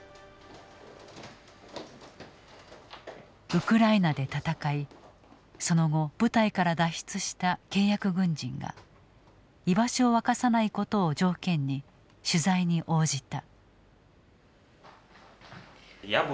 ウクライナで戦いその後部隊から脱出した契約軍人が居場所を明かさないことを条件に取材に応じた。